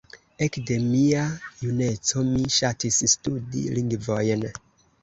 Ekde mia juneco, mi ŝatis studi lingvojn.